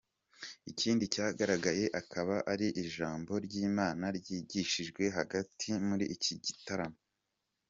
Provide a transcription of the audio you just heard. Ikindi cyagaragaye akaba ari ijambo ry’Imana ryigishijwe hagati muri iki gitaramo.